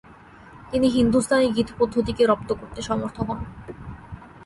তিনি হিন্দুস্তানি গীত পদ্ধতিকে রপ্ত করতে সমর্থ হন।